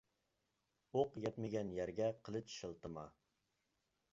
ئوق يەتمىگەن يەرگە قىلىچ شىلتىما.